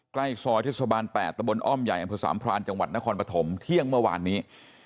ใกล้ซอยเทศบาล๘ตะบนอ้อมใหญ่อำเภอสามพรานจังหวัดนครปฐมเที่ยงเมื่อวานนี้